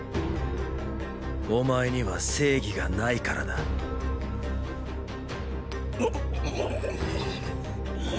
お前には“正義”がないからだ。っ！